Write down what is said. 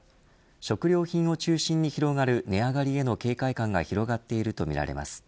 食料品を中心に広がる値上がりへの警戒感が広がっているとみられます。